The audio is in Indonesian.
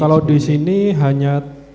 kalau di sini hanya